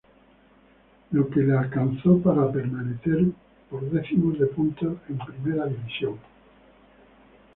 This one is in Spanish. Lo que le alcanzó para permanecer por decimos de puntos en Primera División.